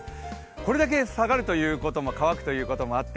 これだけ下がるということ乾くということもあって